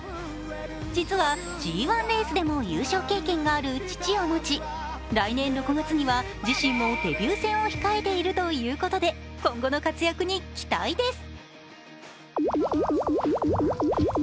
実はＧⅠレースでも優勝経験のある父を持ち来年６月には自身もデビュー戦を控えているということで今後の活躍に期待です。